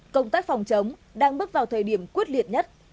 công tác phòng chống đang bước vào thời điểm quyết liệt nhất